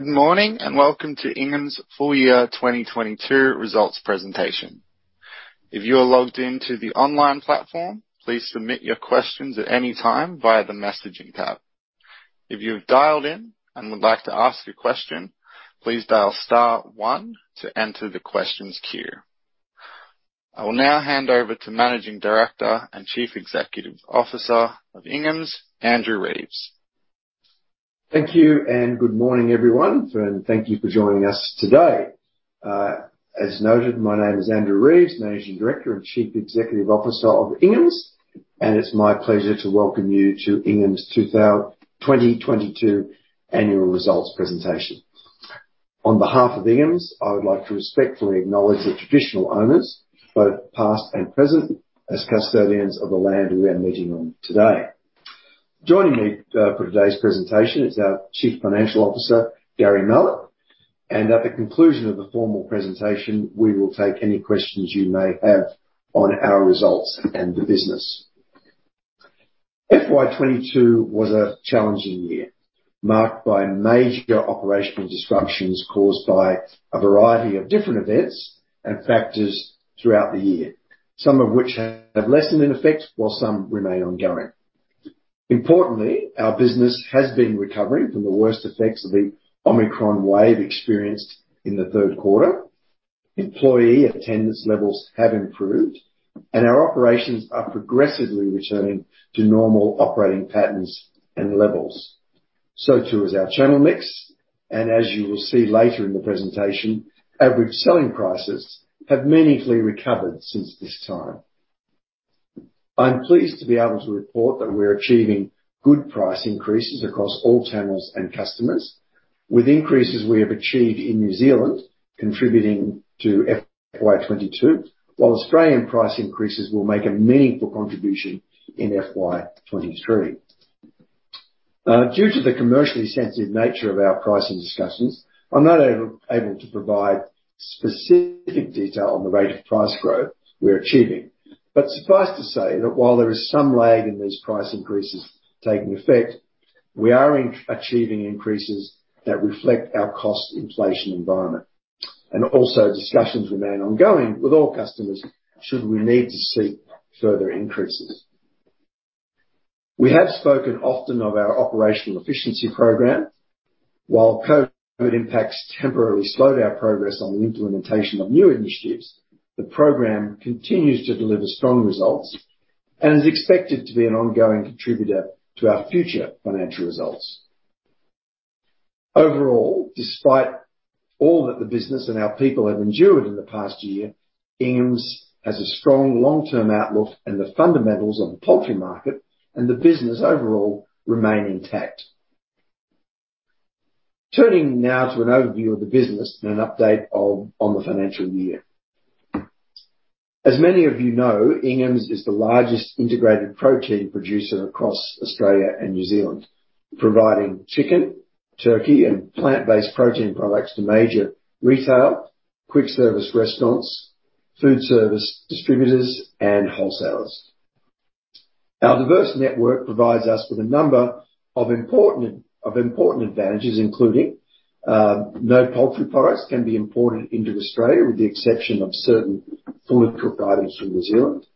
Good morning and welcome to Inghams Full Year 2022 Results Presentation. If you are logged in to the online platform, please submit your questions at any time via the messaging tab. If you have dialed in and would like to ask a question, please dial star one to enter the questions queue. I will now hand over to Managing Director and Chief Executive Officer of Inghams, Andrew Reeves. Thank you and good morning, everyone, and thank you for joining us today. As noted, my name is Andrew Reeves, Managing Director and Chief Executive Officer of Inghams, and it's my pleasure to welcome you to Inghams 2022 Annual Results Presentation. On behalf of Inghams, I would like to respectfully acknowledge the traditional owners, both past and present, as custodians of the land we are meeting on today. Joining me for today's presentation is our Chief Financial Officer, Gary Mallett. At the conclusion of the formal presentation, we will take any questions you may have on our results and the business. FY 2022 was a challenging year, marked by major operational disruptions caused by a variety of different events and factors throughout the year, some of which have lessened in effect, while some remain ongoing. Importantly, our business has been recovering from the worst effects of the Omicron wave experienced in the third quarter. Employee attendance levels have improved, and our operations are progressively returning to normal operating patterns and levels, so too is our channel mix. As you will see later in the presentation, average selling prices have meaningfully recovered since this time. I'm pleased to be able to report that we're achieving good price increases across all channels and customers. With increases we have achieved in New Zealand contributing to FY 2022, while Australian price increases will make a meaningful contribution in FY 2023. Due to the commercially sensitive nature of our pricing discussions, I'm not able to provide specific detail on the rate of price growth we're achieving. Suffice to say that while there is some lag in these price increases taking effect, we are achieving increases that reflect our cost inflation environment. Discussions remain ongoing with all customers should we need to seek further increases. We have spoken often of our operational efficiency program. While COVID impacts temporarily slowed our progress on the implementation of new initiatives, the program continues to deliver strong results and is expected to be an ongoing contributor to our future financial results. Overall, despite all that the business and our people have endured in the past year, Inghams has a strong long-term outlook and the fundamentals of the poultry market and the business overall remain intact. Turning now to an overview of the business and an update on the financial year. As many of you know, Inghams is the largest integrated protein producer across Australia and New Zealand, providing chicken, turkey and plant-based protein products to major retail, quick service restaurants, food service distributors, and wholesalers. Our diverse network provides us with a number of important advantages, including no poultry products can be imported into Australia with the exception of certain fully cooked items from New Zealand.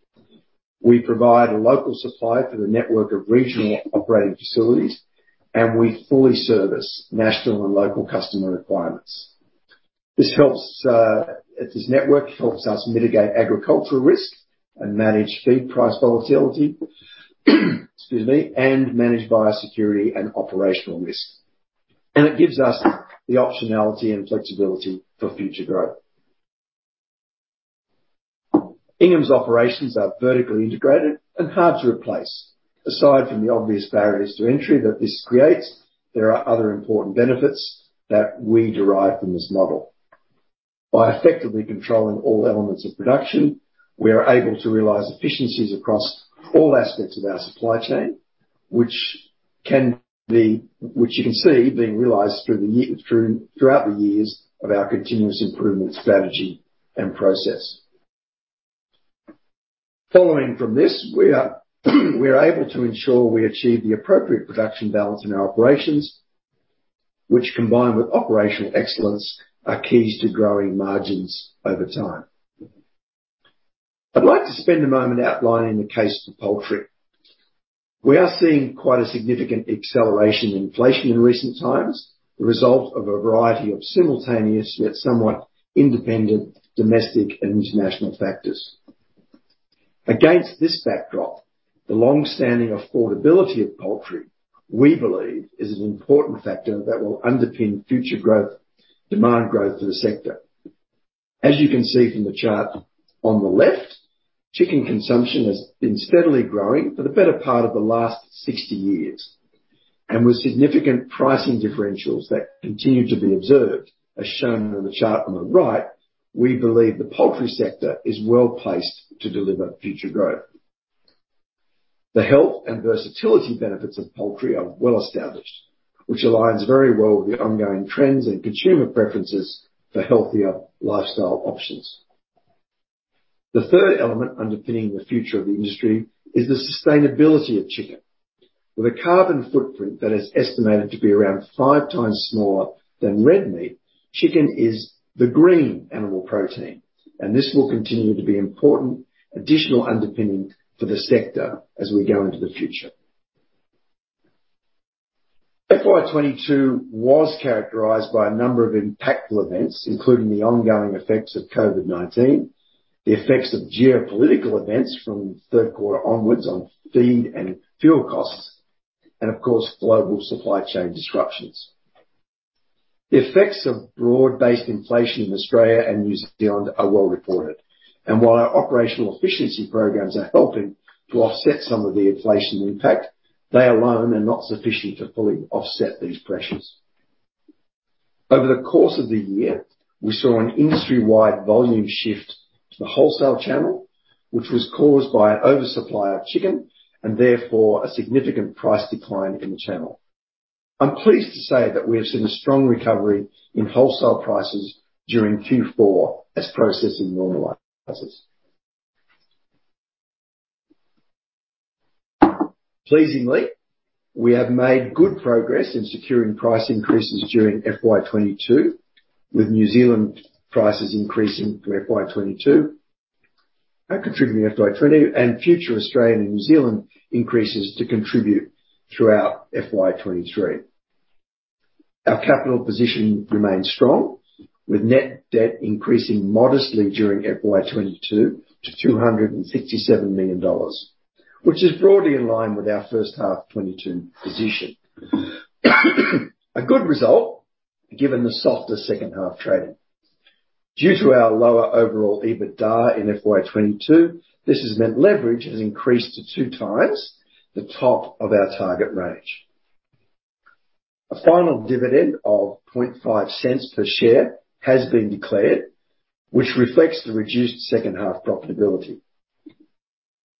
We provide a local supply through a network of regional operating facilities, and we fully service national and local customer requirements. This network helps us mitigate agricultural risk and manage feed price volatility, excuse me, and manage biosecurity and operational risk. It gives us the optionality and flexibility for future growth. Inghams operations are vertically integrated and hard to replace. Aside from the obvious barriers to entry that this creates, there are other important benefits that we derive from this model. By effectively controlling all elements of production, we are able to realize efficiencies across all aspects of our supply chain, which you can see being realized throughout the years of our continuous improvement strategy and process. Following from this, we are able to ensure we achieve the appropriate production balance in our operations, which combined with operational excellence, are keys to growing margins over time. I'd like to spend a moment outlining the case for poultry. We are seeing quite a significant acceleration in inflation in recent times, the result of a variety of simultaneous, yet somewhat independent domestic and international factors. Against this backdrop, the long-standing affordability of poultry, we believe, is an important factor that will underpin future growth, demand growth for the sector. As you can see from the chart on the left, chicken consumption has been steadily growing for the better part of the last 60 years. With significant pricing differentials that continue to be observed, as shown in the chart on the right, we believe the poultry sector is well-placed to deliver future growth. The health and versatility benefits of poultry are well-established, which aligns very well with the ongoing trends and consumer preferences for healthier lifestyle options. The third element underpinning the future of the industry is the sustainability of chicken. With a carbon footprint that is estimated to be around five times smaller than red meat, chicken is the green animal protein, and this will continue to be important additional underpinning for the sector as we go into the future. FY 2022 was characterized by a number of impactful events, including the ongoing effects of COVID-19, the effects of geopolitical events from the third quarter onwards on feed and fuel costs, and of course, global supply chain disruptions. The effects of broad-based inflation in Australia and New Zealand are well reported, and while our operational efficiency programs are helping to offset some of the inflation impact, they alone are not sufficient to fully offset these pressures. Over the course of the year, we saw an industry-wide volume shift to the wholesale channel, which was caused by an oversupply of chicken and therefore a significant price decline in the channel. I'm pleased to say that we have seen a strong recovery in wholesale prices during Q4 as processing normalized. Pleasingly, we have made good progress in securing price increases during FY 2022, with New Zealand prices increasing from FY 2022 and contributing FY 2022 and future Australian and New Zealand increases to contribute throughout FY 2023. Our capital position remains strong, with net debt increasing modestly during FY 2022 to 267 million dollars, which is broadly in line with our first half 2022 position. A good result, given the softer second half trading. Due to our lower overall EBITDA in FY 2022, this has meant leverage has increased to 2x the top of our target range. A final dividend of 0.005 per share has been declared, which reflects the reduced second half profitability.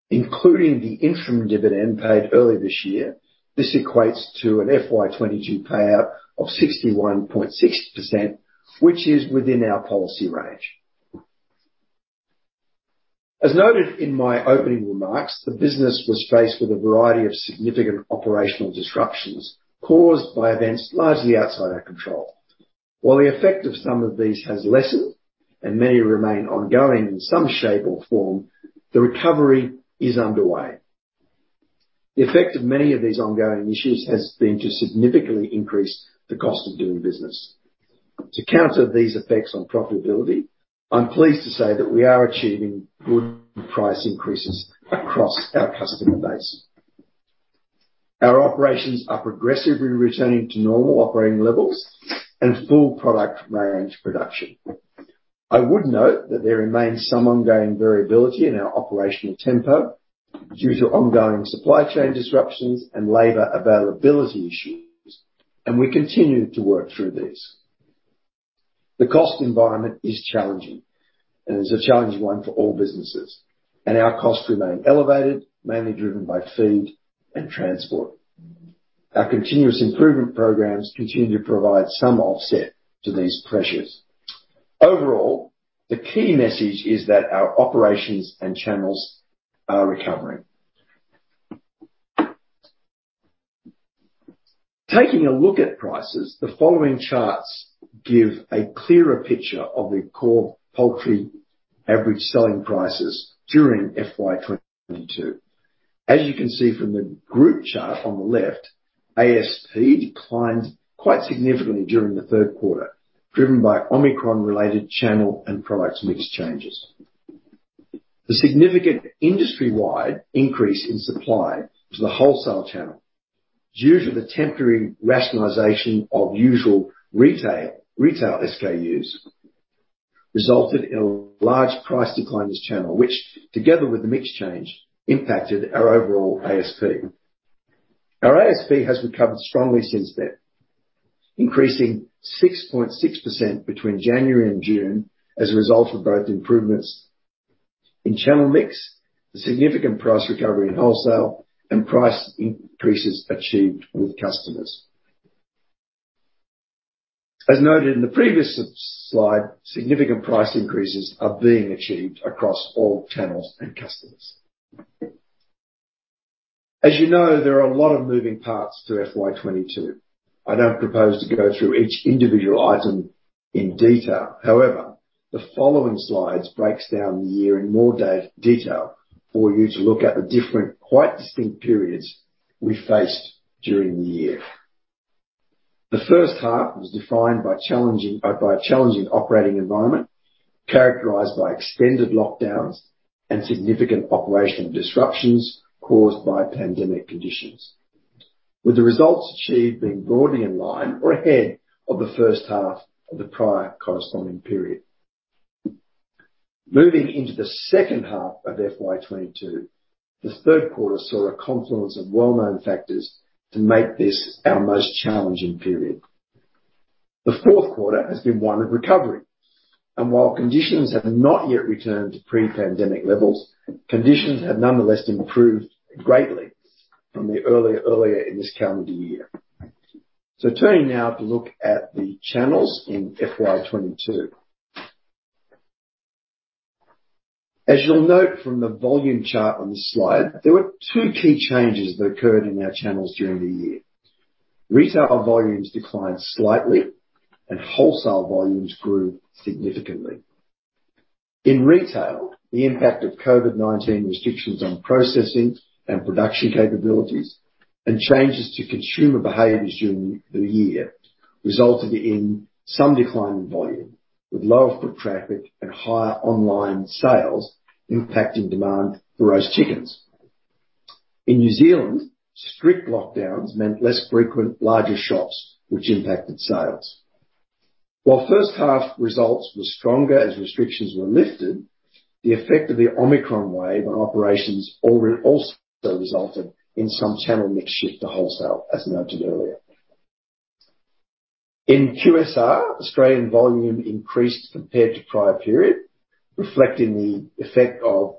Including the interim dividend paid early this year, this equates to an FY 2022 payout of 61.6%, which is within our policy range. As noted in my opening remarks, the business was faced with a variety of significant operational disruptions caused by events largely outside our control. While the effect of some of these has lessened and many remain ongoing in some shape or form, the recovery is underway. The effect of many of these ongoing issues has been to significantly increase the cost of doing business. To counter these effects on profitability, I'm pleased to say that we are achieving good price increases across our customer base. Our operations are progressively returning to normal operating levels and full product range production. I would note that there remains some ongoing variability in our operational tempo due to ongoing supply chain disruptions and labor availability issues, and we continue to work through these. The cost environment is challenging and is a challenging one for all businesses, and our costs remain elevated, mainly driven by feed and transport. Our continuous improvement programs continue to provide some offset to these pressures. Overall, the key message is that our operations and channels are recovering. Taking a look at prices, the following charts give a clearer picture of the core poultry average selling prices during FY 2022. As you can see from the group chart on the left, ASP declined quite significantly during the third quarter, driven by Omicron-related channel and product mix changes. The significant industry-wide increase in supply to the wholesale channel due to the temporary rationalization of usual retail SKUs, resulted in a large price decline in this channel, which, together with the mix change, impacted our overall ASP. Our ASP has recovered strongly since then, increasing 6.6% between January and June as a result of both improvements in channel mix, the significant price recovery in wholesale, and price increases achieved with customers. As noted in the previous slide, significant price increases are being achieved across all channels and customers. As you know, there are a lot of moving parts to FY 2022. I don't propose to go through each individual item in detail. However, the following slides breaks down the year in more detail for you to look at the different, quite distinct periods we faced during the year. The first half was defined by a challenging operating environment characterized by extended lockdowns and significant operational disruptions caused by pandemic conditions, with the results achieved being broadly in line or ahead of the first half of the prior corresponding period. Moving into the second half of FY 2022, the third quarter saw a confluence of well-known factors to make this our most challenging period. The fourth quarter has been one of recovery, and while conditions have not yet returned to pre-pandemic levels, conditions have nonetheless improved greatly from the earlier in this calendar year. Turning now to look at the channels in FY 2022. As you'll note from the volume chart on this slide, there were two key changes that occurred in our channels during the year. Retail volumes declined slightly and wholesale volumes grew significantly. In retail, the impact of COVID-19 restrictions on processing and production capabilities and changes to consumer behaviors during the year resulted in some decline in volume, with lower foot traffic and higher online sales impacting demand for roast chickens. In New Zealand, strict lockdowns meant less frequent, larger shops which impacted sales. While first half results were stronger as restrictions were lifted, the effect of the Omicron wave on operations also resulted in some channel mix shift to wholesale, as noted earlier. In QSR, Australian volume increased compared to prior period, reflecting the effect of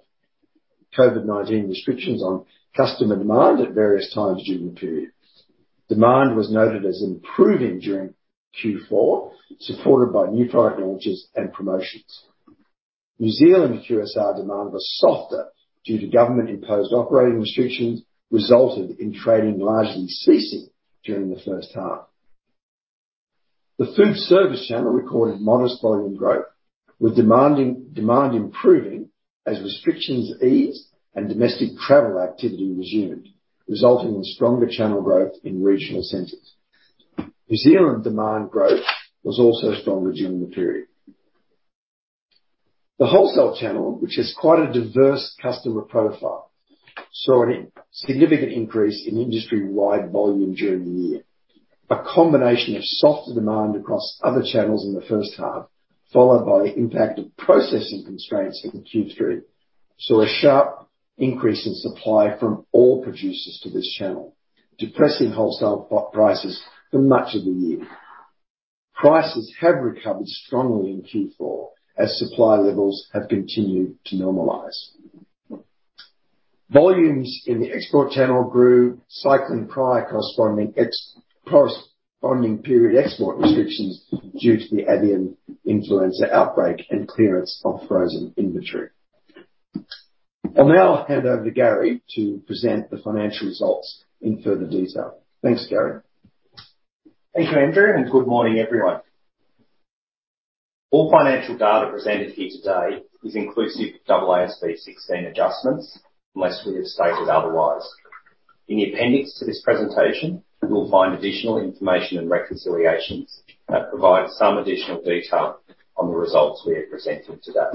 COVID-19 restrictions on customer demand at various times during the period. Demand was noted as improving during Q4, supported by new product launches and promotions. New Zealand QSR demand was softer due to government-imposed operating restrictions, resulting in trading largely ceasing during the first half. The food service channel recorded modest volume growth, with demand improving as restrictions eased and domestic travel activity resumed, resulting in stronger channel growth in regional centers. New Zealand demand growth was also stronger during the period. The wholesale channel, which has quite a diverse customer profile, saw a significant increase in industry-wide volume during the year. A combination of softer demand across other channels in the first half, followed by the impact of processing constraints in Q3, saw a sharp increase in supply from all producers to this channel, depressing wholesale prices for much of the year. Prices have recovered strongly in Q4 as supply levels have continued to normalize. Volumes in the export channel grew, cycling prior corresponding period export restrictions due to the avian influenza outbreak and clearance of frozen inventory. I'll now hand over to Gary to present the financial results in further detail. Thanks, Gary. Thank you, Andrew, and good morning, everyone. All financial data presented here today is inclusive of AASB 16 adjustments, unless we have stated otherwise. In the appendix to this presentation, you'll find additional information and reconciliations that provide some additional detail on the results we are presenting today.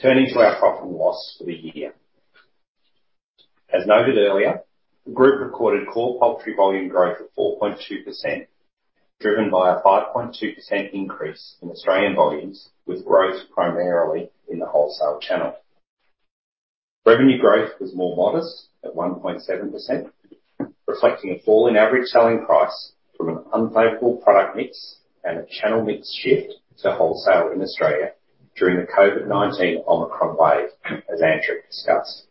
Turning to our profit and loss for the year. As noted earlier, the group recorded core poultry volume growth of 4.2%, driven by a 5.2% increase in Australian volumes, with growth primarily in the wholesale channel. Revenue growth was more modest at 1.7%, reflecting a fall in average selling price from an unfavorable product mix and a channel mix shift to wholesale in Australia during the COVID-19 Omicron wave, as Andrew discussed.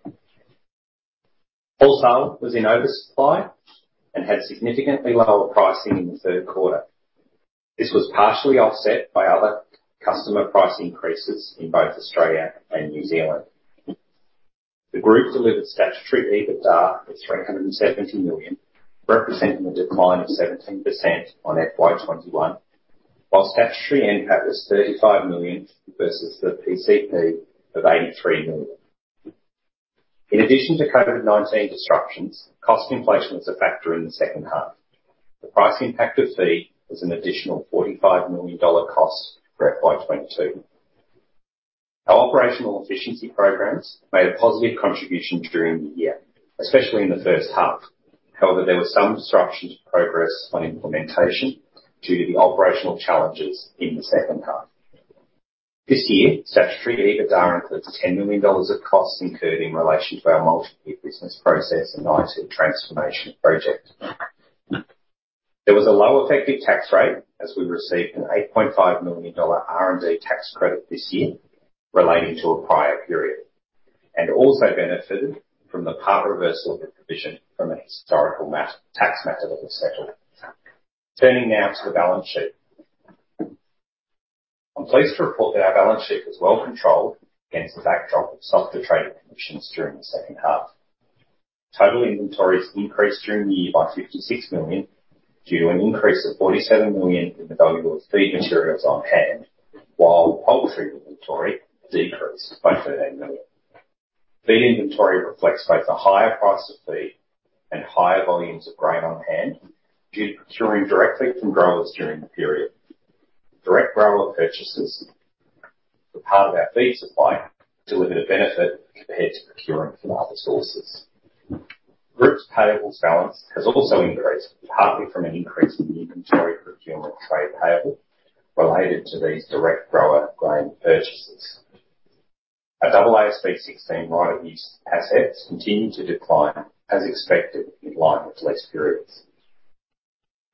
Wholesale was in oversupply and had significantly lower pricing in the third quarter. This was partially offset by other customer price increases in both Australia and New Zealand. The group delivered statutory EBITDA of 370 million, representing a decline of 17% on FY 2021, while statutory NPAT was 35 million versus the PCP of 83 million. In addition to COVID-19 disruptions, cost inflation was a factor in the second half. The price impact of feed was an additional AUD 45 million cost for FY 2022. Our operational efficiency programs made a positive contribution during the year, especially in the first half. However, there was some disruption to progress on implementation due to the operational challenges in the second half. This year, statutory EBITDA includes 10 million dollars of costs incurred in relation to our multi-year business process and IT transformation project. There was a low effective tax rate as we received an 8.5 million dollar R&D tax credit this year relating to a prior period, and also benefited from the part reversal of the provision from a historical tax matter that was settled. Turning now to the balance sheet. I'm pleased to report that our balance sheet was well controlled against the backdrop of softer trading conditions during the second half. Total inventories increased during the year by 56 million due to an increase of 47 million in the value of feed materials on hand, while poultry inventory decreased by 13 million. Feed inventory reflects both the higher price of feed and higher volumes of grain on hand due to procuring directly from growers during the period. Direct grower purchases were part of our feed supply, delivering a benefit compared to procuring from other sources. Group's payables balance has also increased, partly from an increase in the inventory procurement trade payable related to these direct grower grain purchases. Our AASB 16 right-of-use assets continued to decline as expected in line with lease periods.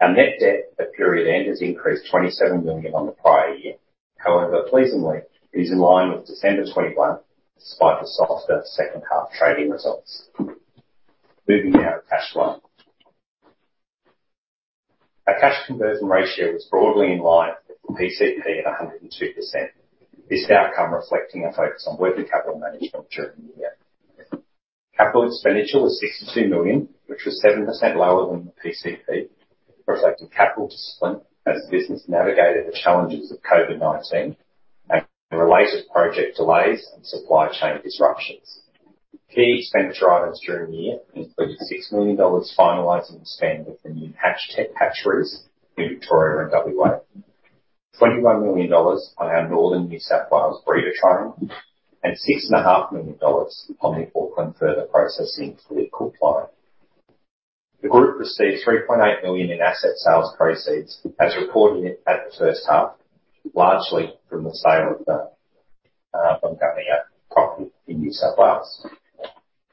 Our net debt at period end has increased 27 million on the prior year. However, pleasingly, it is in line with December 2021, despite the softer second half trading results. Moving now to cash flow. Our cash conversion ratio was broadly in line with the PCP at 102%. This outcome reflecting a focus on working capital management during the year. Capital expenditure was 62 million, which was 7% lower than the PCP, reflecting capital discipline as the business navigated the challenges of COVID-19 and the related project delays and supply chain disruptions. Key expenditure items during the year included 6 million dollars finalizing spend with the new HatchTech hatcheries in Victoria and WA. 21 million dollars on our Northern New South Wales breeder trial and 6.5 million dollars on the Auckland further processing clinical trial. The group received 3.8 million in asset sales proceeds as reported at the first half, largely from the sale of the Gunnedah property in New South Wales.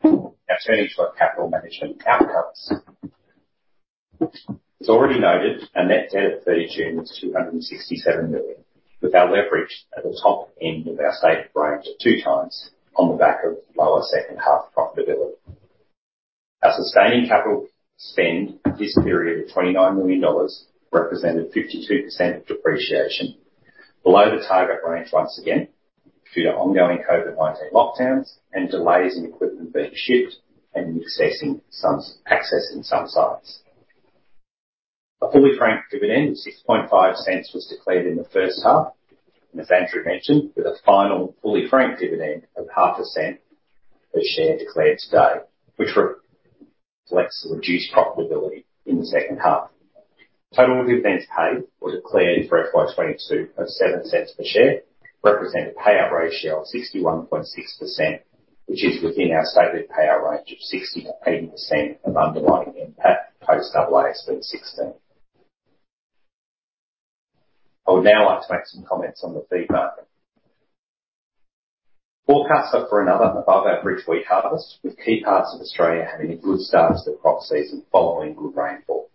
Now turning to our capital management outcomes. As already noted, our net debt at 30 June was 267 million, with our leverage at the top end of our safe range of 2x on the back of lower second half profitability. Our sustaining capital spend this period of 29 million dollars represented 52% of depreciation. Below the target range once again, due to ongoing COVID-19 lockdowns and delays in equipment being shipped and accessing some sites. A fully franked dividend of 0.065 was declared in the first half, and as Andrew mentioned, with a final fully franked dividend of AUD half a cent per share declared today, which reflects the reduced profitability in the second half. Total dividends paid or declared for FY 2022 of 0.07 per share represent a payout ratio of 61.6%, which is within our stated payout range of 60%-80% of underlying impact post AASB 16. I would now like to make some comments on the feed market. Forecasts are for another above-average wheat harvest, with key parts of Australia having a good start to the crop season following good rainfall.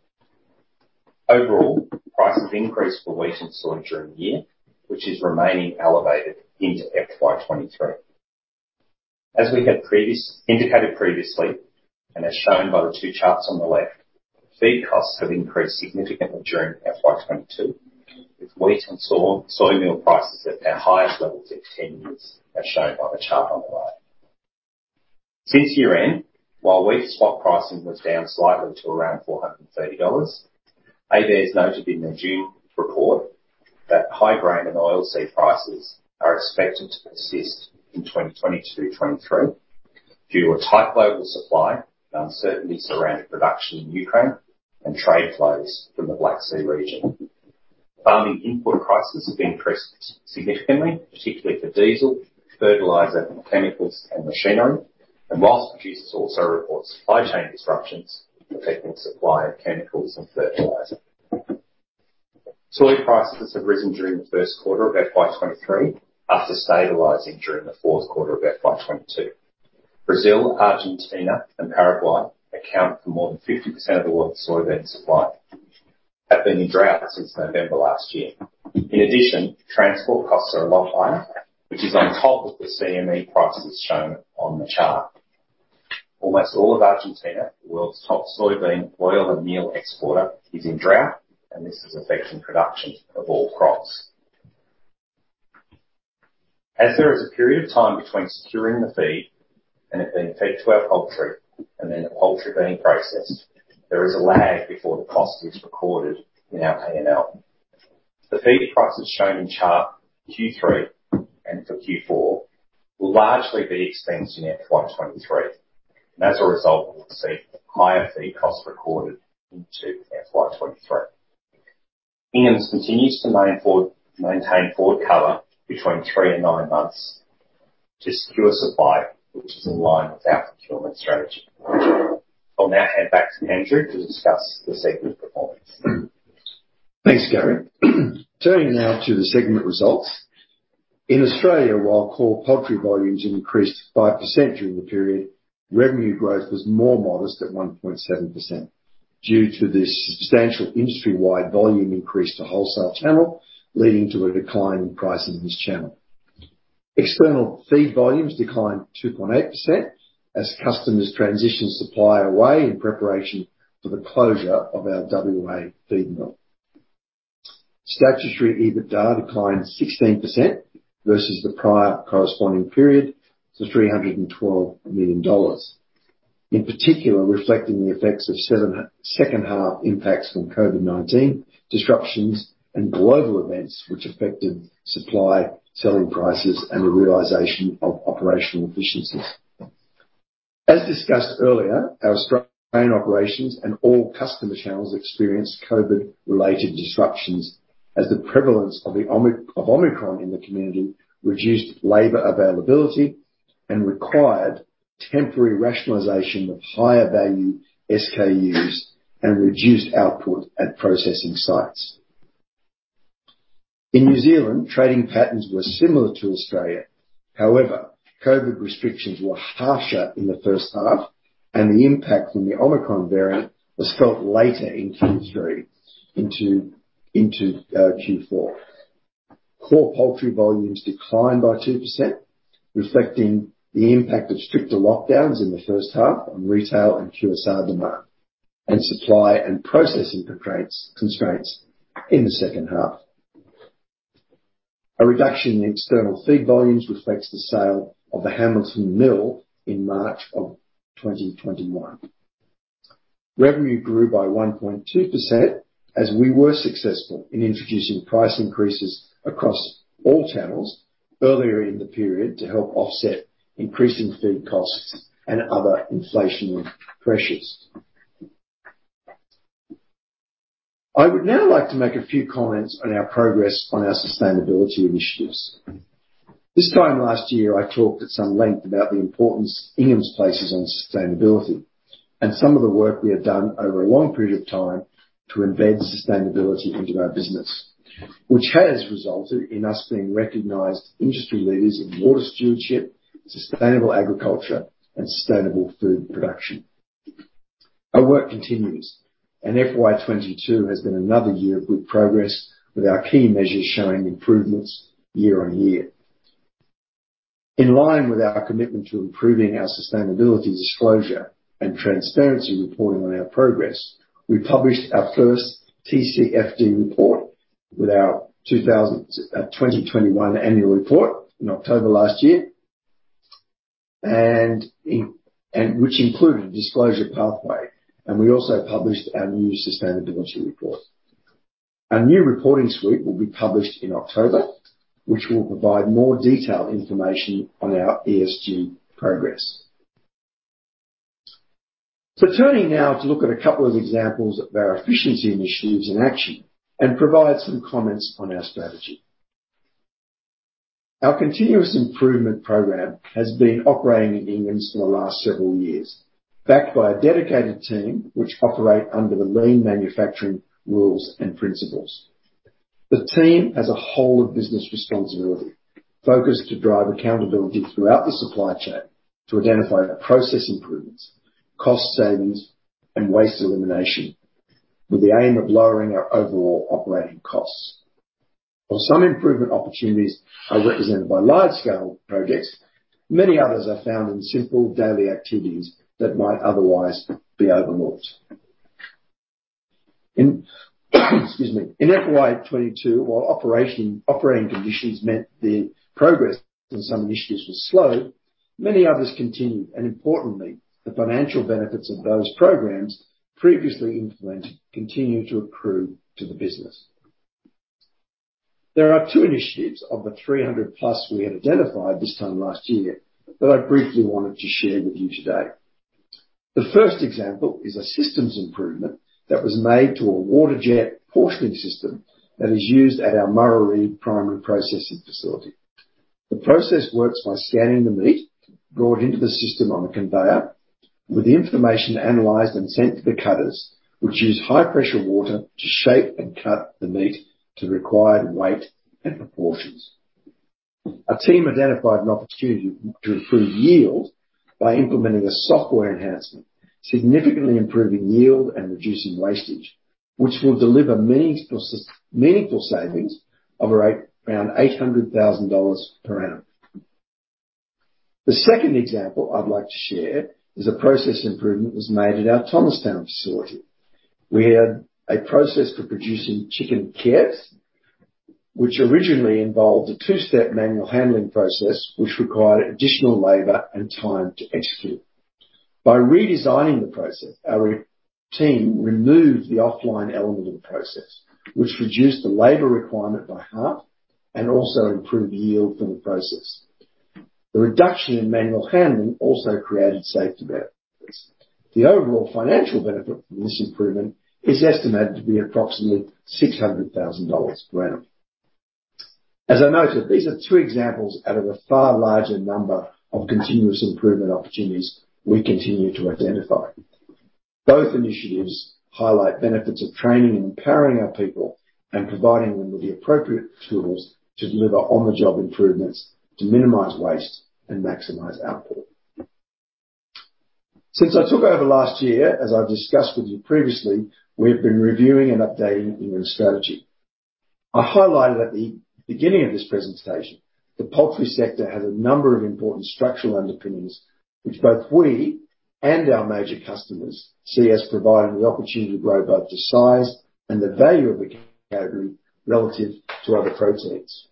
Overall, prices increased for wheat and soy during the year, which is remaining elevated into FY 2023. As we had indicated previously, and as shown by the two charts on the left, feed costs have increased significantly during FY 2022, with wheat and soymeal prices at their highest levels in 10 years, as shown by the chart on the right. Since year-end, while wheat swap pricing was down slightly to around 430 dollars, ABARES noted in their June report that high grain and oil seed prices are expected to persist in 2022/2023 due to a tight global supply and uncertainties around production in Ukraine and trade flows from the Black Sea region. Farming input prices have been pushed significantly, particularly for diesel, fertilizer, chemicals, and machinery, and while producers also report supply chain disruptions affecting the supply of chemicals and fertilizer. Soy prices have risen during the first quarter of FY 2023 after stabilizing during the fourth quarter of FY 2022. Brazil, Argentina, and Paraguay account for more than 50% of the world's soybean supply. They have been in drought since November last year. In addition, transport costs are a lot higher, which is on top of the CME prices shown on the chart. Almost all of Argentina, the world's top soybean oil and meal exporter, is in drought, and this is affecting production of all crops. As there is a period of time between securing the feed and it being fed to our poultry and then the poultry being processed, there is a lag before the cost is recorded in our P&L. The feeder prices shown in chart Q3 and for Q4 will largely be expensed in FY 2023. As a result, we'll see higher feed costs recorded into FY 2023. Inghams continues to maintain forward cover between three and nine months to secure supply, which is in line with our procurement strategy. I'll now hand back to Andrew to discuss the segment performance. Thanks, Gary. Turning now to the segment results. In Australia, while core poultry volumes increased 5% during the period, revenue growth was more modest at 1.7% due to the substantial industry-wide volume increase to wholesale channel, leading to a decline in price in this channel. External feed volumes declined 2.8% as customers transitioned supply away in preparation for the closure of our WA feed mill. Statutory EBITDA declined 16% versus the prior corresponding period to 312 million dollars. In particular, reflecting the effects of severe second half impacts from COVID-19 disruptions and global events which affected supply, selling prices, and the realization of operational efficiencies. As discussed earlier, our Australian operations and all customer channels experienced COVID-related disruptions as the prevalence of Omicron in the community reduced labor availability and required temporary rationalization of higher value SKUs and reduced output at processing sites. In New Zealand, trading patterns were similar to Australia. However, COVID restrictions were harsher in the first half, and the impact from the Omicron variant was felt later in Q3 into Q4. Core poultry volumes declined by 2%, reflecting the impact of stricter lockdowns in the first half on retail and QSR demand, and supply and processing constraints in the second half. A reduction in external feed volumes reflects the sale of the Hamilton Mill in March 2021. Revenue grew by 1.2% as we were successful in introducing price increases across all channels earlier in the period to help offset increasing feed costs and other inflationary pressures. I would now like to make a few comments on our progress on our sustainability initiatives. This time last year, I talked at some length about the importance Inghams places on sustainability and some of the work we have done over a long period of time to embed sustainability into our business, which has resulted in us being recognized industry leaders in water stewardship, sustainable agriculture, and sustainable food production. Our work continues, and FY 2022 has been another year of good progress with our key measures showing improvements year-over-year. In line with our commitment to improving our sustainability disclosure and transparency reporting on our progress, we published our first TCFD report with our 2021 annual report in October last year. In which included a disclosure pathway, and we also published our new sustainability report. Our new reporting suite will be published in October, which will provide more detailed information on our ESG progress. Turning now to look at a couple of examples of our efficiency initiatives in action and provide some comments on our strategy. Our continuous improvement program has been operating in Inghams for the last several years, backed by a dedicated team which operate under the lean manufacturing rules and principles. The team has a whole of business responsibility focused to drive accountability throughout the supply chain to identify our process improvements, cost savings, and waste elimination with the aim of lowering our overall operating costs. While some improvement opportunities are represented by large-scale projects, many others are found in simple daily activities that might otherwise be overlooked. In FY 2022, while operating conditions meant the progress in some initiatives was slow, many others continued. Importantly, the financial benefits of those programs previously implemented continued to accrue to the business. There are two initiatives of the 300+ we had identified this time last year that I briefly wanted to share with you today. The first example is a systems improvement that was made to a water jet portioning system that is used at our Murarrie primary processing facility. The process works by scanning the meat brought into the system on a conveyor with the information analyzed and sent to the cutters, which use high pressure water to shape and cut the meat to the required weight and proportions. Our team identified an opportunity to improve yield by implementing a software enhancement, significantly improving yield and reducing wastage, which will deliver meaningful savings of around 800,000 dollars per annum. The second example I'd like to share is a process improvement that was made at our Thomastown facility. We had a process for producing chicken kits, which originally involved a two-step manual handling process, which required additional labor and time to execute. By redesigning the process, our team removed the offline element of the process, which reduced the labor requirement by half and also improved yield from the process. The reduction in manual handling also created safety benefits. The overall financial benefit from this improvement is estimated to be approximately 600,000 dollars per annum. As I noted, these are two examples out of a far larger number of continuous improvement opportunities we continue to identify. Both initiatives highlight benefits of training and empowering our people and providing them with the appropriate tools to deliver on-the-job improvements to minimize waste and maximize output. Since I took over last year, as I've discussed with you previously, we've been reviewing and updating Inghams' strategy. I highlighted at the beginning of this presentation the poultry sector has a number of important structural underpinnings which both we and our major customers see as providing the opportunity to grow both the size and the value of the category relative to other proteins.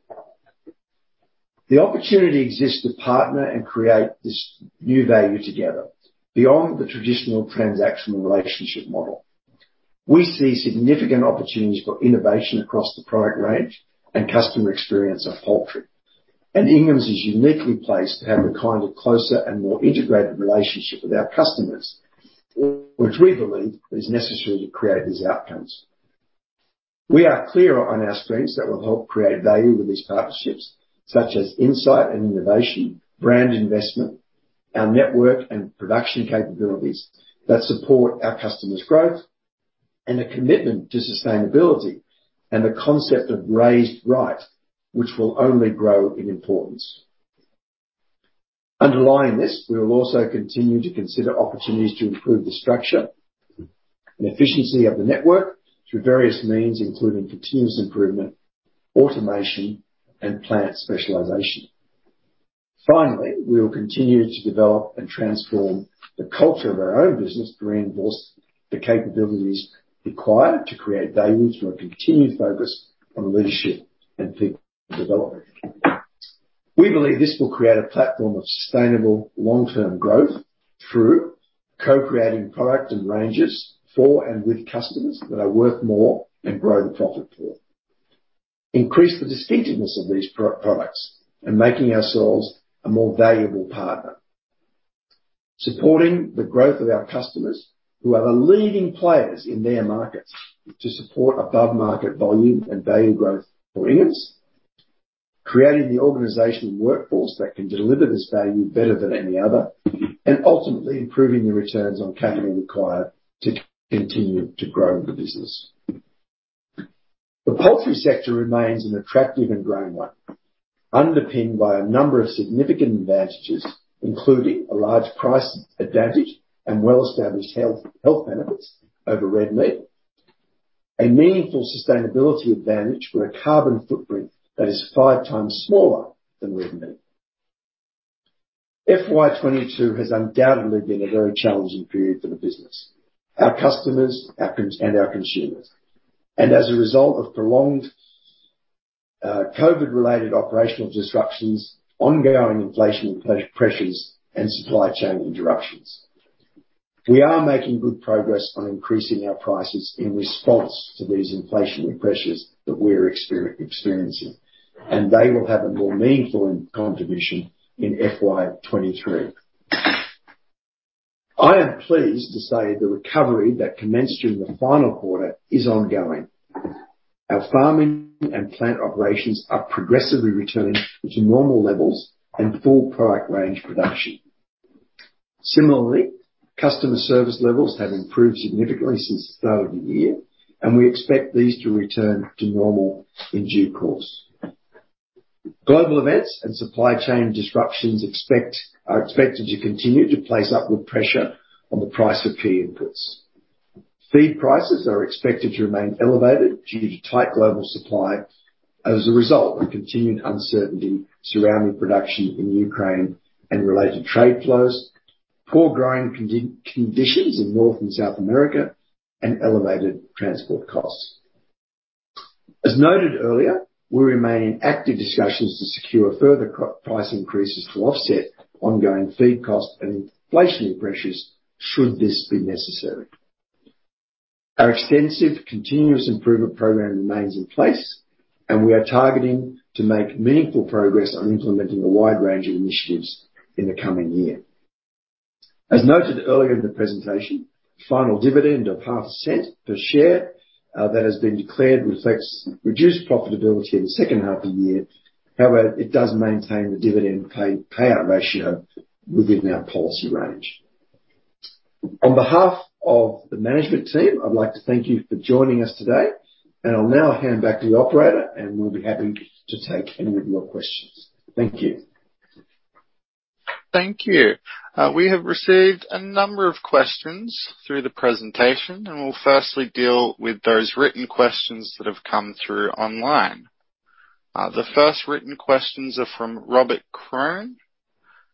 The opportunity exists to partner and create this new value together beyond the traditional transactional relationship model. We see significant opportunities for innovation across the product range and customer experience of poultry. Inghams is uniquely placed to have the kind of closer and more integrated relationship with our customers, which we believe is necessary to create these outcomes. We are clear on our strengths that will help create value with these partnerships, such as insight and innovation, brand investment, our network and production capabilities that support our customers' growth and a commitment to sustainability and the concept of Raised Right, which will only grow in importance. Underlying this, we will also continue to consider opportunities to improve the structure and efficiency of the network through various means, including continuous improvement, automation, and plant specialization. Finally, we will continue to develop and transform the culture of our own business to reinforce the capabilities required to create value through a continued focus on leadership and people development. We believe this will create a platform of sustainable long-term growth through co-creating product and ranges for and with customers that are worth more and grow the profit pool, increase the distinctiveness of these products, and making ourselves a more valuable partner, supporting the growth of our customers, who are the leading players in their markets to support above-market volume and value growth for Inghams, creating the organizational workforce that can deliver this value better than any other, and ultimately improving the returns on capital required to continue to grow the business. The poultry sector remains an attractive and growing one, underpinned by a number of significant advantages, including a large price advantage and well-established health benefits over red meat. A meaningful sustainability advantage with a carbon footprint that is five times smaller than red meat. FY 2022 has undoubtedly been a very challenging period for the business, our customers, and our consumers, as a result of prolonged COVID-related operational disruptions, ongoing inflationary pressures, and supply chain interruptions. We are making good progress on increasing our prices in response to these inflationary pressures that we're experiencing, and they will have a more meaningful contribution in FY 2023. I am pleased to say the recovery that commenced during the final quarter is ongoing. Our farming and plant operations are progressively returning to normal levels and full product range production. Similarly, customer service levels have improved significantly since the start of the year, and we expect these to return to normal in due course. Global events and supply chain disruptions are expected to continue to place upward pressure on the price of key inputs. Feed prices are expected to remain elevated due to tight global supply as a result of continued uncertainty surrounding production in Ukraine and related trade flows, poor growing conditions in North and South America, and elevated transport costs. As noted earlier, we remain in active discussions to secure further price increases to offset ongoing feed costs and inflationary pressures should this be necessary. Our extensive continuous improvement program remains in place, and we are targeting to make meaningful progress on implementing a wide range of initiatives in the coming year. As noted earlier in the presentation, final dividend of half cent per share that has been declared reflects reduced profitability in the second half of the year. However, it does maintain the dividend pay-payout ratio within our policy range. On behalf of the management team, I'd like to thank you for joining us today, and I'll now hand back to the operator, and we'll be happy to take any of your questions. Thank you. Thank you. We have received a number of questions through the presentation, and we'll firstly deal with those written questions that have come through online. The first written questions are from Rob Gordon.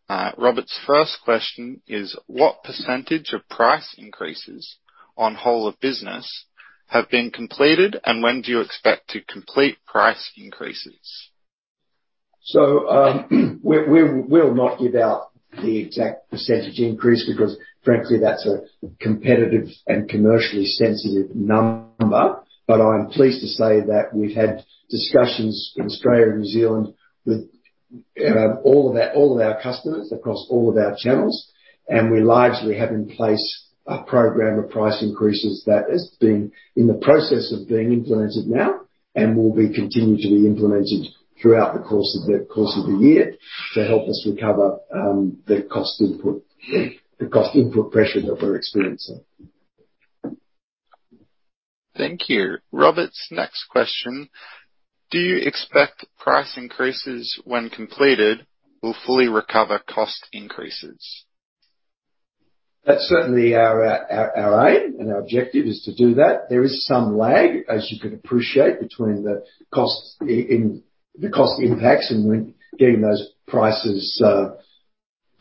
Rob's first question is: What percentage of price increases on whole of business have been completed, and when do you expect to complete price increases? We'll not give out the exact percentage increase because frankly that's a competitive and commercially sensitive number. I'm pleased to say that we've had discussions in Australia and New Zealand with all of our customers across all of our channels, and we largely have in place a program of price increases that is in the process of being implemented now and will be continually implemented throughout the course of the year to help us recover the cost input pressure that we're experiencing. Thank you. Rob Gordon's next question: Do you expect price increases when completed will fully recover cost increases? That's certainly our aim and our objective is to do that. There is some lag, as you can appreciate, between the cost impacts and when getting those prices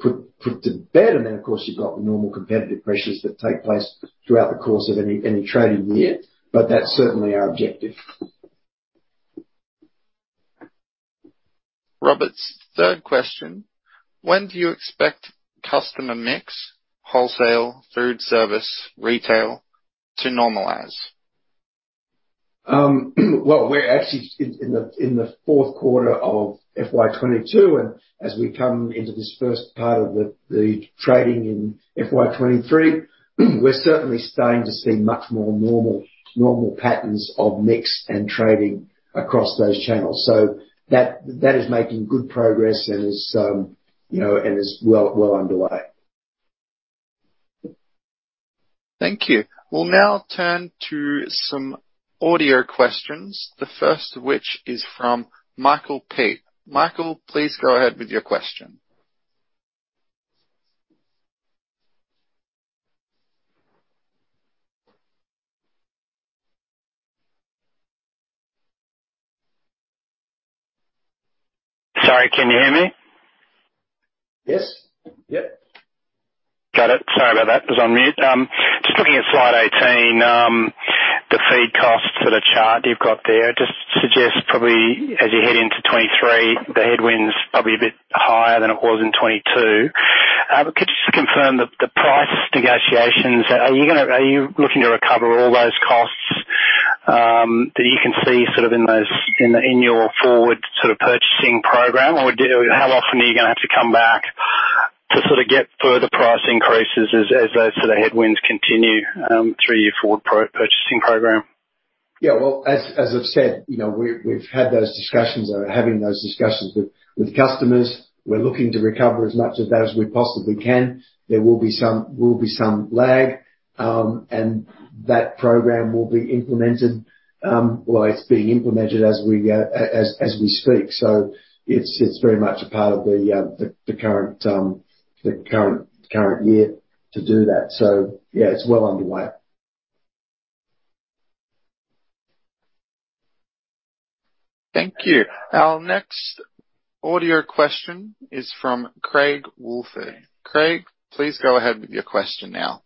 put to bed. Of course, you've got the normal competitive pressures that take place throughout the course of any trading year. That's certainly our objective. Robert's third question: When do you expect customer mix, wholesale, food service, retail to normalize? Well, we're actually in the fourth quarter of FY 2022, and as we come into this first part of the trading in FY 2023, we're certainly starting to see much more normal patterns of mix and trading across those channels. That is making good progress and is, you know, well underway. Thank you. We'll now turn to some audio questions, the first of which is from Michael Pate. Michael, please go ahead with your question. Sorry, can you hear me? Yes. Yep. Got it. Sorry about that. Was on mute. Just looking at slide 18, the feed costs for the chart you've got there just suggests probably as you head into 2023, the headwind's probably a bit higher than it was in 2022. Could you just confirm the price negotiations, are you looking to recover all those costs that you can see sort of in your forward purchasing program? Or how often are you gonna have to come back to sort of get further price increases as those sort of headwinds continue through your forward purchasing program? Yeah. Well, as I've said, you know, we've had those discussions or are having those discussions with customers. We're looking to recover as much of that as we possibly can. There will be some lag, and that program will be implemented, well, it's being implemented as we speak. It's very much a part of the current year to do that. Yeah, it's well underway. Thank you. Our next audio question is from Craig Woolford. Craig, please go ahead with your question now.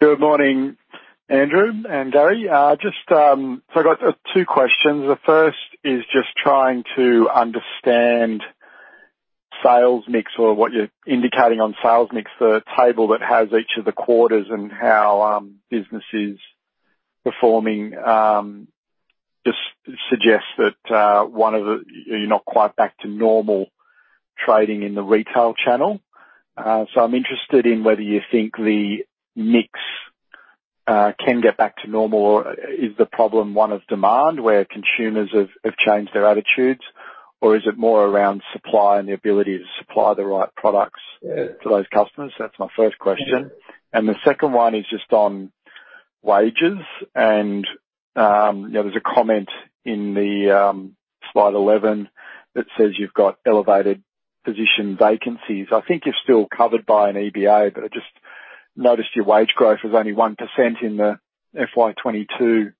Good morning, Andrew and Gary. Just, I got two questions. The first is just trying to understand sales mix or what you're indicating on sales mix. The table that has each of the quarters and how business is performing just suggests that you're not quite back to normal trading in the retail channel. I'm interested in whether you think the mix can get back to normal, or is the problem one of demand, where consumers have changed their attitudes? Or is it more around supply and the ability to supply the right products? Yeah. -to those customers? That's my first question. The second one is just on wages and, you know, there's a comment in the slide 11 that says you've got elevated position vacancies. I think you're still covered by an EBA, but I just noticed your wage growth was only 1% in the FY 2022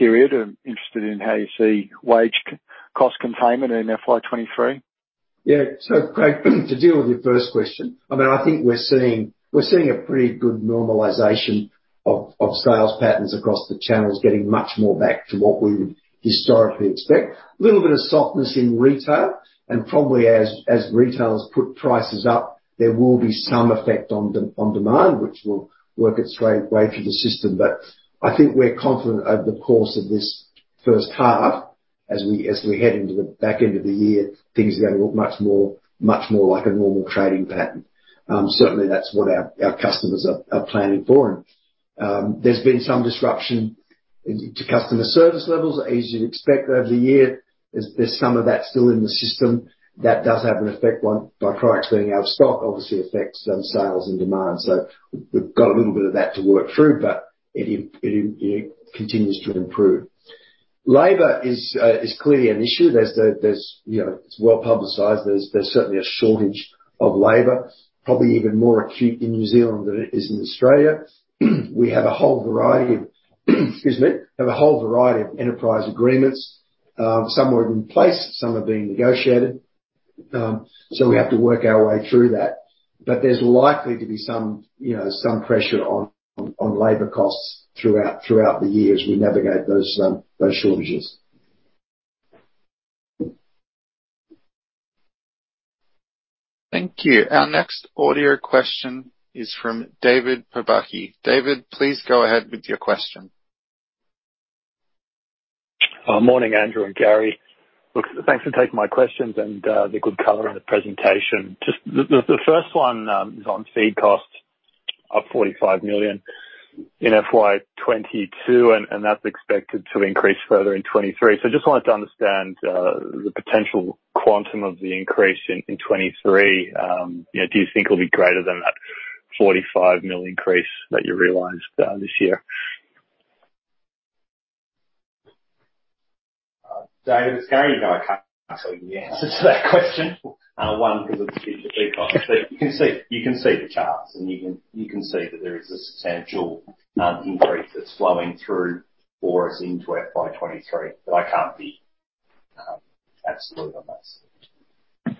period. I'm interested in how you see wage cost containment in FY 2023. Yeah. Craig, to deal with your first question, I mean, I think we're seeing a pretty good normalization of sales patterns across the channels getting much more back to what we would historically expect. A little bit of softness in retail, and probably as retailers put prices up, there will be some effect on demand, which will work its way through the system. I think we're confident over the course of this first half as we head into the back end of the year, things are gonna look much more like a normal trading pattern. Certainly that's what our customers are planning for. There's been some disruption to customer service levels, as you'd expect over the year. There's some of that still in the system. That does have an effect on. By-products being out of stock obviously affects sales and demand. We've got a little bit of that to work through, but it continues to improve. Labor is clearly an issue. You know, it's well-publicized. There's certainly a shortage of labor, probably even more acute in New Zealand than it is in Australia. We have a whole variety of enterprise agreements. Some are in place, some are being negotiated. We have to work our way through that. There's likely to be some, you know, some pressure on labor costs throughout the year as we navigate those shortages. Thank you. Our next audio question is from David Pobucky. David, please go ahead with your question. Morning, Andrew and Gary. Look, thanks for taking my questions and the good color in the presentation. Just the first one is on feed costs of 45 million in FY 2022, and that's expected to increase further in 2023. Just wanted to understand the potential quantum of the increase in 2023. You know, do you think it'll be greater than that 45 million increase that you realized this year? David, it's Gary. No, I can't give you the answer to that question. One, because of the feed costs. You can see the charts and you can see that there is a substantial increase that's flowing through for us into FY 2023. I can't be absolute on those.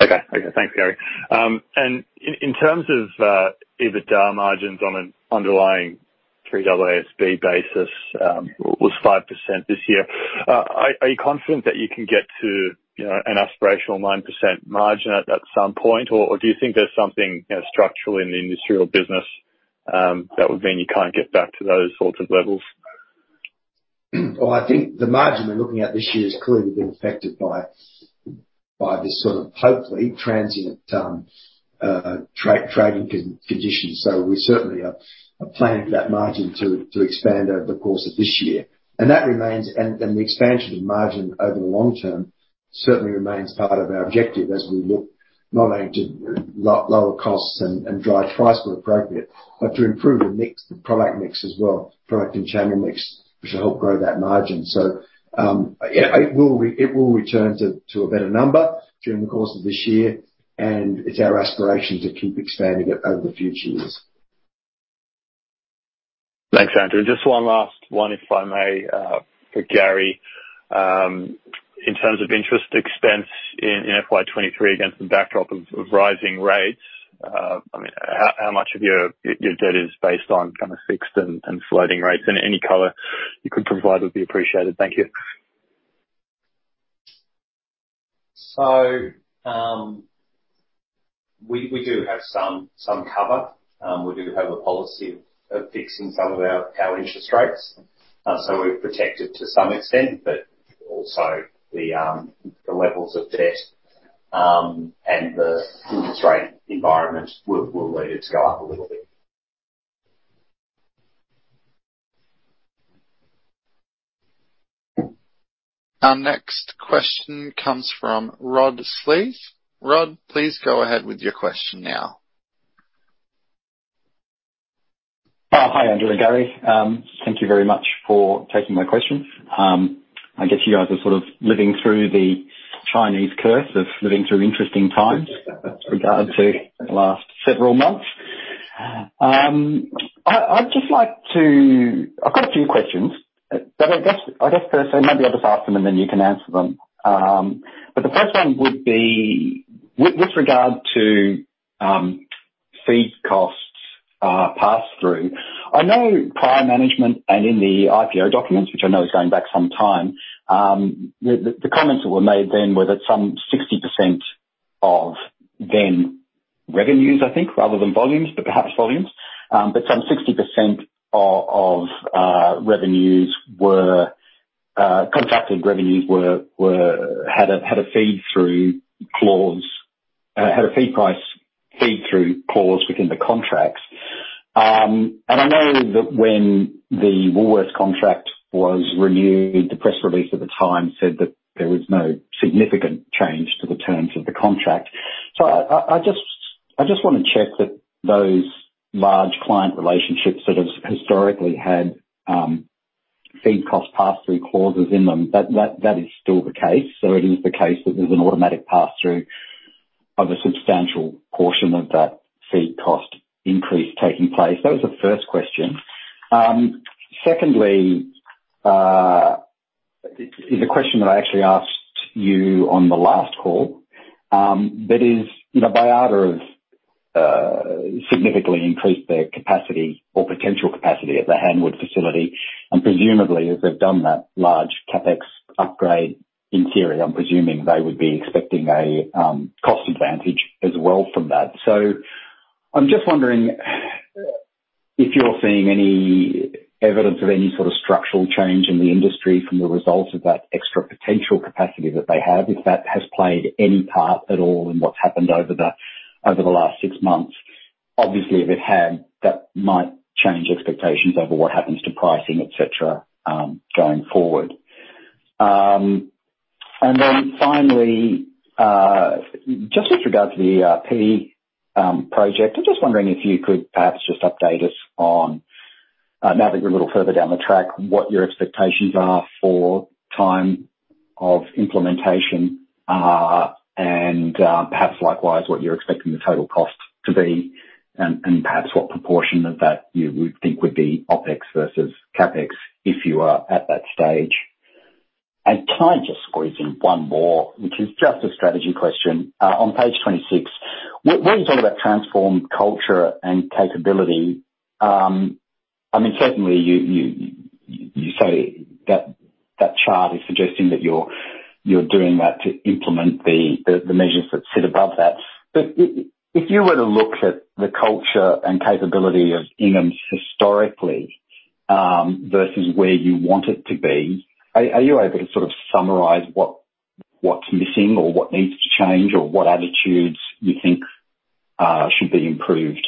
Thanks, Gary. In terms of EBITDA margins on an underlying AASB basis, was 5% this year. Are you confident that you can get to, you know, an aspirational 9% margin at some point? Or do you think there's something, you know, structural in the industry or business, that would mean you can't get back to those sorts of levels? Well, I think the margin we're looking at this year has clearly been affected by this sort of hopefully transient trading conditions. We certainly are planning that margin to expand over the course of this year. The expansion of margin over the long term certainly remains part of our objective as we look not only to lower costs and drive price where appropriate, but to improve the mix, the product mix as well, product and channel mix, which will help grow that margin. It will return to a better number during the course of this year, and it's our aspiration to keep expanding it over the future years. Thanks, Andrew. Just one last one if I may, for Gary. In terms of interest expense in FY 2023 against the backdrop of rising rates, I mean, how much of your debt is based on kinda fixed and floating rates? Any color you could provide would be appreciated. Thank you. We do have some cover. We do have a policy of fixing some of our interest rates, so we're protected to some extent, but also the levels of debt and the interest rate environment will lead it to go up a little bit. Our next question comes from Rod Sleath. Rod, please go ahead with your question now. Hi, Andrew and Gary. Thank you very much for taking my questions. I guess you guys are sort of living through the Chinese curse of living through interesting times regarding the last several months. I'd just like to. I've got a few questions, but I guess first, maybe I'll just ask them and then you can answer them. But the first one would be with regard to feed costs, pass through. I know prior management and in the IPO documents, which I know is going back some time, the comments that were made then were that some 60% of then revenues, I think, rather than volumes, but perhaps volumes, but some 60% of revenues were contracted revenues that had a feed price feed-through clause within the contracts. I know that when the Woolworths contract was renewed, the press release at the time said that there was no significant change to the terms of the contract. I just wanna check that those large client relationships that have historically had feed cost pass-through clauses in them, that is still the case. It is the case that there's an automatic pass-through of a substantial portion of that feed cost increase taking place. That was the first question. Secondly, is a question that I actually asked you on the last call, that is, you know, Baiada have significantly increased their capacity or potential capacity at the Hanwood facility, and presumably, as they've done that large CapEx upgrade, in theory, I'm presuming they would be expecting a cost advantage as well from that. I'm just wondering if you're seeing any evidence of any sort of structural change in the industry from the result of that extra potential capacity that they have, if that has played any part at all in what's happened over the last six months. Obviously, if it had, that might change expectations over what happens to pricing, et cetera, going forward. Finally, just with regard to the ERP project, I'm just wondering if you could perhaps just update us on, now that you're a little further down the track, what your expectations are for time of implementation, and perhaps likewise, what you're expecting the total cost to be and perhaps what proportion of that you would think would be OpEx versus CapEx if you are at that stage. Can I just squeeze in one more, which is just a strategy question. On page 26, when you talk about transformed culture and capability, I mean, certainly you say that that chart is suggesting that you're doing that to implement the measures that sit above that. If you were to look at the culture and capability of Inghams' historically versus where you want it to be, are you able to sort of summarize what's missing or what needs to change or what attitudes you think should be improved?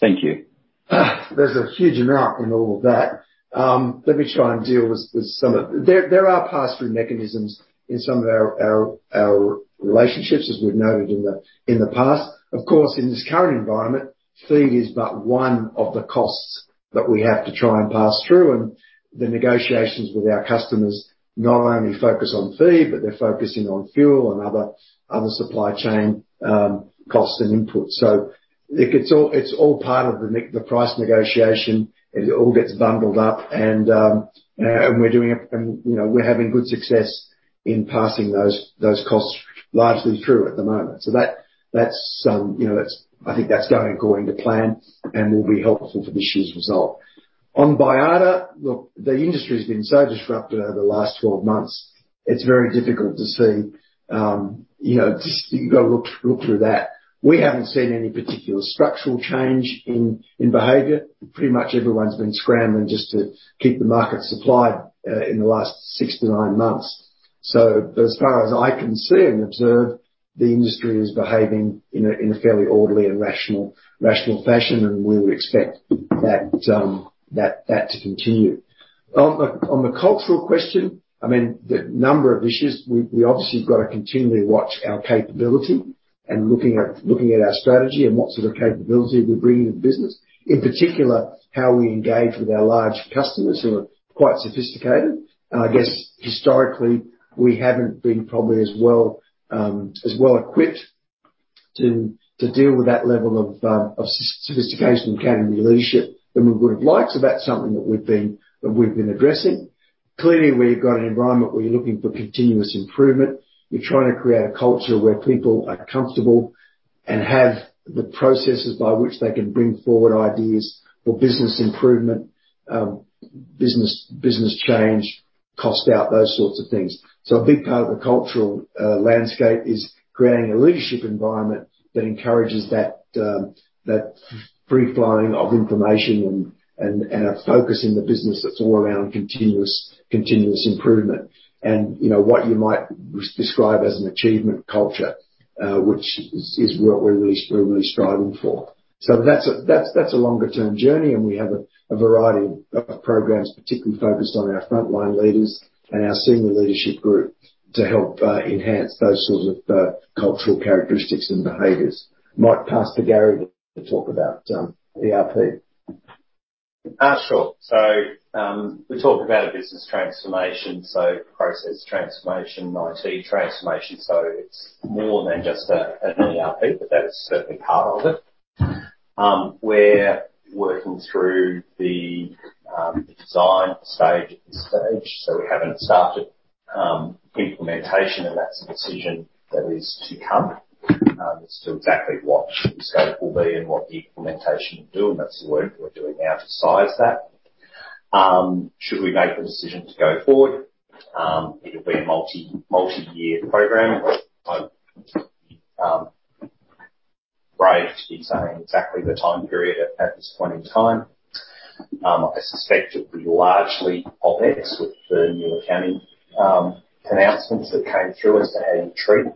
Thank you. There's a huge amount in all of that. There are pass-through mechanisms in some of our relationships, as we've noted in the past. Of course, in this current environment, feed is but one of the costs that we have to try and pass through. The negotiations with our customers not only focus on feed, but they're focusing on fuel and other supply chain costs and inputs. It's all part of the price negotiation. It all gets bundled up and we're doing it, and you know, we're having good success in passing those costs largely through at the moment. That's, you know, it's. I think that's going according to plan and will be helpful for this year's result. On Baiada, look, the industry's been so disrupted over the last 12 months, it's very difficult to see. You know, just you gotta look through that. We haven't seen any particular structural change in behavior. Pretty much everyone's been scrambling just to keep the market supplied in the last 6-9 months. So as far as I can see and observe, the industry is behaving in a fairly orderly and rational fashion, and we would expect that to continue. On the cultural question, I mean, the number of issues, we obviously have got to continually watch our capability and looking at our strategy and what sort of capability we bring to the business. In particular, how we engage with our large customers who are quite sophisticated. I guess historically, we haven't been probably as well equipped to deal with that level of sophistication, academy leadership than we would have liked. That's something that we've been addressing. Clearly, we've got an environment where you're looking for continuous improvement. We're trying to create a culture where people are comfortable and have the processes by which they can bring forward ideas for business improvement, business change, cost out, those sorts of things. A big part of the cultural landscape is creating a leadership environment that encourages that free flowing of information and a focus in the business that's all around continuous improvement. You know, what you might describe as an achievement culture, which is what we're really striving for. That's a longer-term journey, and we have a variety of programs particularly focused on our frontline leaders and our senior leadership group to help enhance those sorts of cultural characteristics and behaviors. Might pass to Gary to talk about ERP. Sure. We talk about a business transformation, process transformation, IT transformation. It's more than just an ERP, but that is certainly part of it. We're working through the design stage at this stage, so we haven't started implementation, and that's a decision that is to come. As to exactly what the scope will be and what the implementation will do, that's the work we're doing now to size that. Should we make the decision to go forward, it'll be a multi-year program. I won't be brave to be saying exactly the time period at this point in time. I suspect it'll be largely OpEx with the new accounting announcements that came through as to how you treat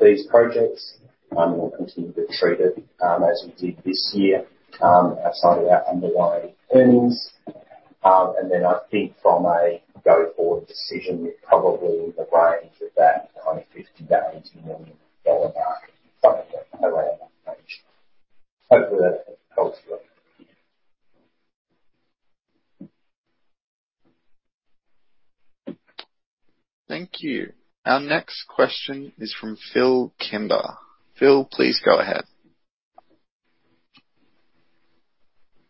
these projects. We'll continue to treat it as we did this year outside of our underlying earnings. I think from a go-forward decision, we're probably in the range of that AUD 20 million-AUD 50 million mark, somewhere in that range. Hopefully that helps a little. Thank you. Our next question is from Phillip Kimber. Phil, please go ahead.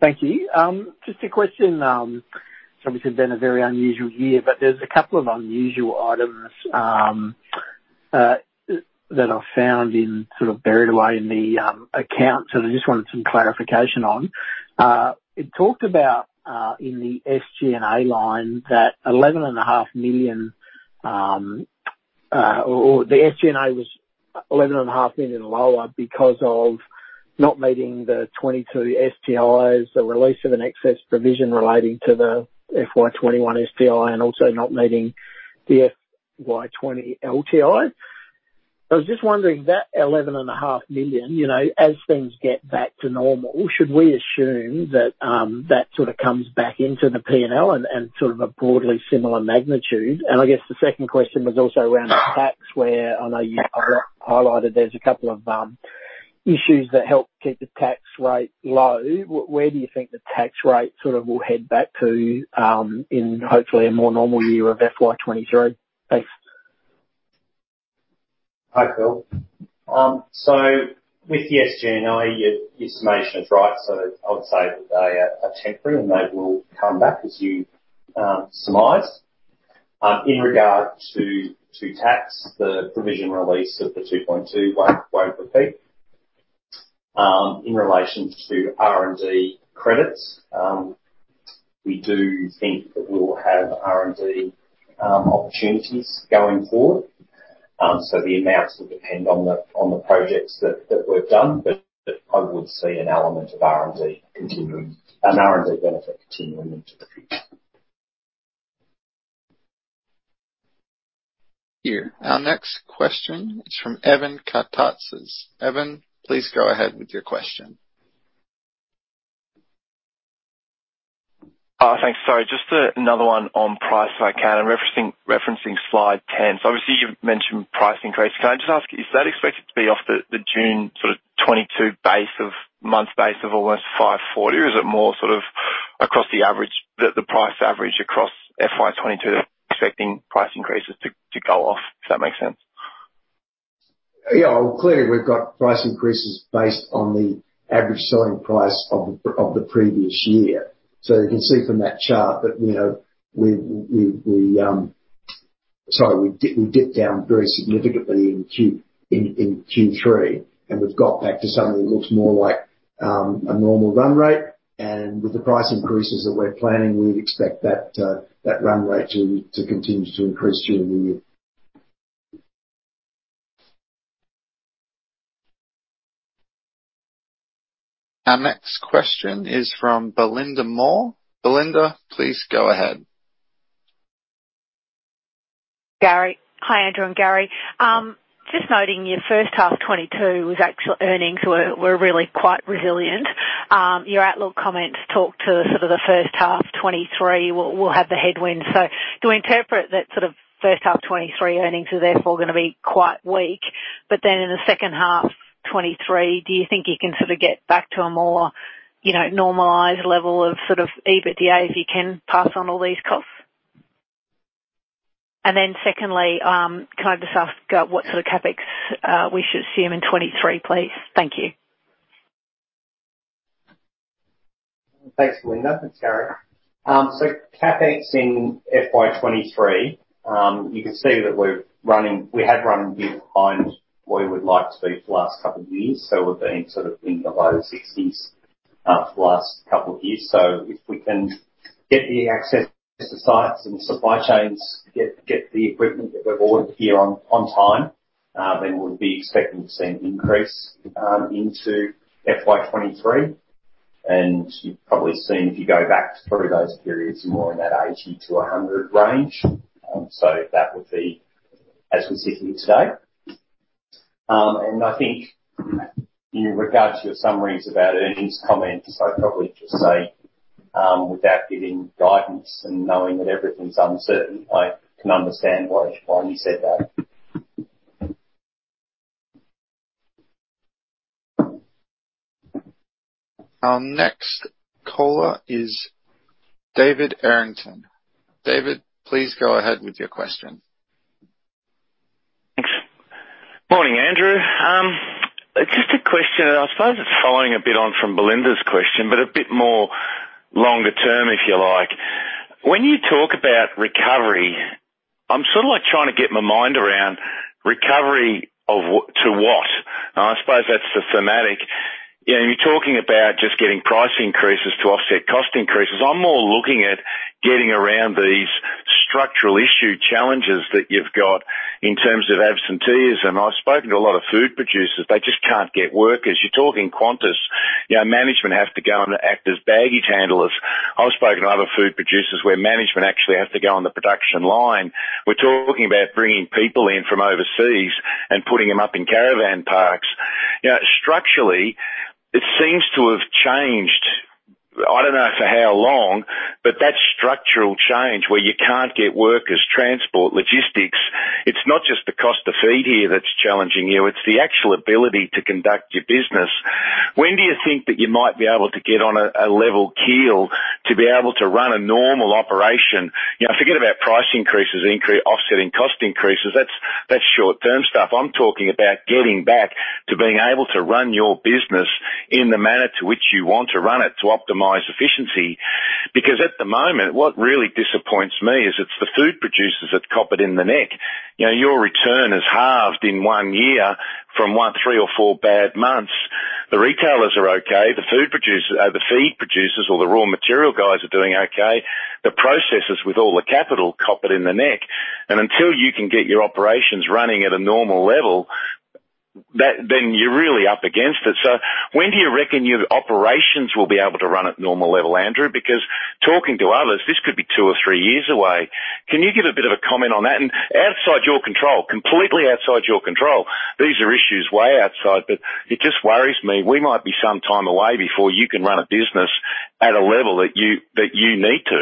Thank you. Just a question, obviously been a very unusual year, but there's a couple of unusual items that I found sort of buried away in the accounts. I just wanted some clarification on. It talked about in the SG&A line the SG&A was 11.5 million lower because of not meeting the 2022 STIs, the release of an excess provision relating to the FY 2021 STI and also not meeting the FY 2020 LTI. I was just wondering that 11.5 million, you know, as things get back to normal, should we assume that that sort of comes back into the P&L and sort of a broadly similar magnitude? I guess the second question was also around tax, where I know you've highlighted there's a couple of issues that help keep the tax rate low. Where do you think the tax rate sort of will head back to, in hopefully a more normal year of FY 2023? Thanks. Hi, Phil. With the SG&A, your estimation is right. I would say that they are temporary, and they will come back as you surmise. In regard to tax, the provision release of 2.2 won't repeat. In relation to R&D credits, we do think that we'll have R&D opportunities going forward. The amounts will depend on the projects that we've done, but I would see an element of R&D continuing, an R&D benefit continuing into the future. Here. Our next question is from Evan Karatzas. Evan, please go ahead with your question. Thanks. Sorry. Just another one on price if I can. I'm referencing slide 10. Obviously you've mentioned price increase. Can I just ask, is that expected to be off the June 2022 sort of base of month base of almost 540? Or is it more sort of across the average, the price average across FY 2022, expecting price increases to go off, if that makes sense? Yeah. Well, clearly we've got price increases based on the average selling price of the previous year. You can see from that chart that, you know, we dip down very significantly in Q3, and we've got back to something that looks more like a normal run rate. With the price increases that we're planning, we'd expect that run rate to continue to increase during the year. Our next question is from Belinda Moore. Belinda, please go ahead. Gary. Hi, Andrew and Gary. Just noting your first half 2022 actual earnings were really quite resilient. Your outlook comments talked to sort of the first half of 2023 will have the headwind. Do I interpret that sort of first half 2023 earnings are therefore gonna be quite weak, but then in the second half of 2023, do you think you can sort of get back to a more, you know, normalized level of sort of EBITDA, if you can pass on all these costs? Secondly, can I just ask what sort of CapEx we should assume in 2023, please? Thank you. Thanks, Belinda. It's Gary. CapEx in FY 2023, you can see that we have run a bit behind where we would like to be for the last couple of years, so we've been sort of in the low 60s for the last couple of years. If we can get the access to sites and supply chains, get the equipment that we've ordered here on time, then we'll be expecting to see an increase into FY 2023. You've probably seen if you go back through those periods, more in that 80-100 range. That would be as we sit here today. I think in regards to your summaries about earnings comments, I'd probably just say, without giving guidance and knowing that everything's uncertain, I can understand why we said that. Our next caller is David Errington. David, please go ahead with your question. Thanks. Morning, Andrew. Just a question, and I suppose it's following a bit on from Belinda's question, but a bit more longer term, if you like. When you talk about recovery, I'm sort of like trying to get my mind around recovery to what? And I suppose that's the thematic. You know, you're talking about just getting price increases to offset cost increases. I'm more looking at getting around these structural issue challenges that you've got in terms of absentees, and I've spoken to a lot of food producers. They just can't get workers. You're talking Qantas. You know, management have to go and act as baggage handlers. I've spoken to other food producers where management actually have to go on the production line. We're talking about bringing people in from overseas and putting them up in caravan parks. You know, structurally, it seems to have changed. I don't know for how long, but that structural change where you can't get workers, transport, logistics, it's not just the cost to feed here that's challenging you, it's the actual ability to conduct your business. When do you think that you might be able to get on a level keel to be able to run a normal operation? You know, forget about price increases, offsetting cost increases. That's short-term stuff. I'm talking about getting back to being able to run your business in the manner to which you want to run it, to optimize efficiency. Because at the moment, what really disappoints me is it's the food producers that cop it in the neck. You know, your return is halved in one year from what, three or four bad months. The retailers are okay, the food producers, or the feed producers or the raw material guys are doing okay. The processors with all the capital cop it in the neck. Until you can get your operations running at a normal level, that, then you're really up against it. When do you reckon your operations will be able to run at normal level, Andrew? Because talking to others, this could be two or three years away. Can you give a bit of a comment on that? Outside your control, completely outside your control, these are issues way outside, but it just worries me. We might be some time away before you can run a business at a level that you need to.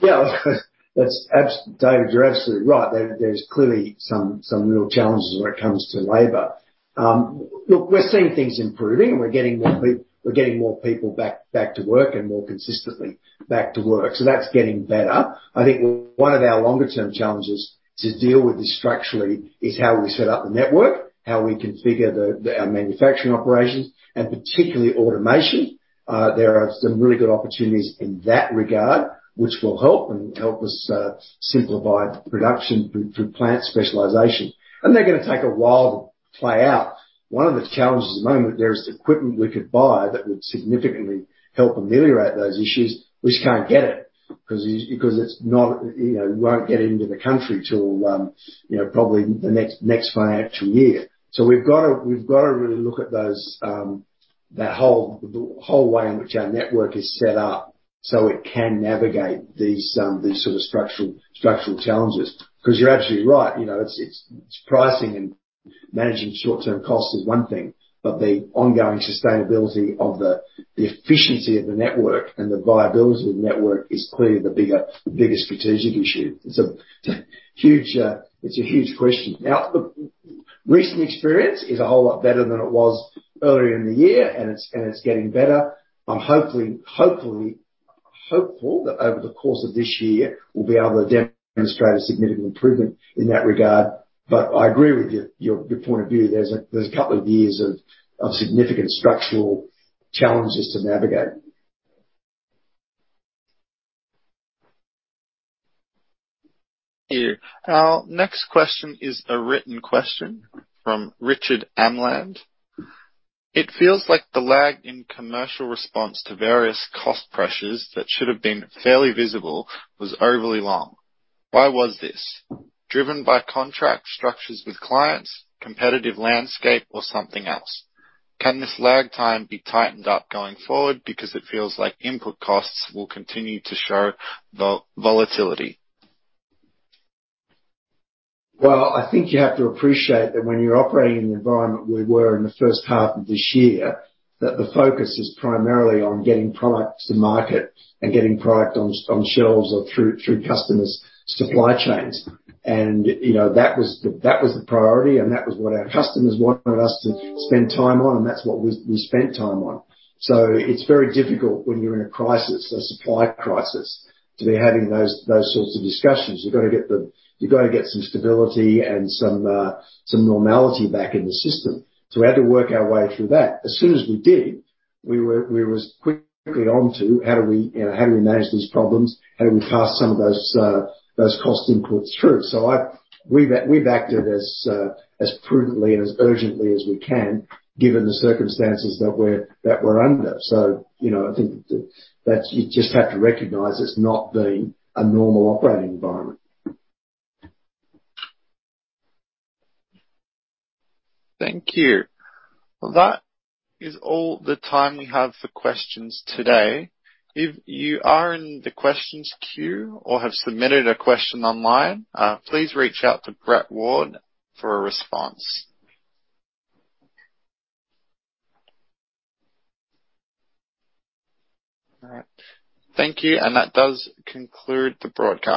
Yeah. David, you're absolutely right. There's clearly some real challenges when it comes to labor. Look, we're seeing things improving. We're getting more people back to work and more consistently back to work. That's getting better. I think one of our longer term challenges to deal with this structurally is how we set up the network, how we configure our manufacturing operations and particularly automation. There are some really good opportunities in that regard which will help us simplify production through plant specialization. They're gonna take a while to play out. One of the challenges at the moment, there is equipment we could buy that would significantly help ameliorate those issues. We just can't get it, 'cause it's not, you know, it won't get into the country till, you know, probably next financial year. We've gotta really look at those, the whole way in which our network is set up, so it can navigate these sort of structural challenges. 'Cause you're absolutely right. You know, it's pricing and managing short-term costs is one thing, but the ongoing sustainability of the efficiency of the network and the viability of the network is clearly the bigger strategic issue. It's a huge question. Now, recent experience is a whole lot better than it was earlier in the year, and it's getting better. I'm hopeful that over the course of this year, we'll be able to demonstrate a significant improvement in that regard. I agree with you, your point of view. There's a couple of years of significant structural challenges to navigate. Thank you. Our next question is a written question from Richard Amland. It feels like the lag in commercial response to various cost pressures that should have been fairly visible was overly long. Why was this? Driven by contract structures with clients, competitive landscape or something else? Can this lag time be tightened up going forward because it feels like input costs will continue to show volatility? I think you have to appreciate that when you're operating in the environment we were in the first half of this year, that the focus is primarily on getting product to market and getting product on shelves or through customers' supply chains. You know, that was the priority, and that was what our customers wanted us to spend time on, and that's what we spent time on. It's very difficult when you're in a crisis, a supply crisis, to be having those sorts of discussions. You've got to get some stability and some normality back in the system. We had to work our way through that. As soon as we did, we were quickly on to how do we, you know, manage these problems? How do we pass some of those cost inputs through? We've acted as prudently and as urgently as we can, given the circumstances that we're under. You know, I think you just have to recognize it's not been a normal operating environment. Thank you. Well, that is all the time we have for questions today. If you are in the questions queue or have submitted a question online, please reach out to Brett Ward for a response. All right. Thank you. That does conclude the broadcast.